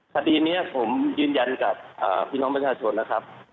คดีนี้ผมยืนยันกับพี่น้องประชาชนนะครับ